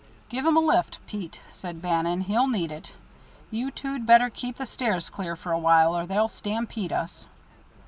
"Give him a lift, Pete," said Bannon. "He'll need it. You two'd better keep the stairs clear for a while, or they'll stampede us."